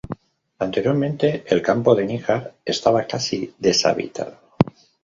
Anteriormente el Campo de Níjar estaba casi deshabitado.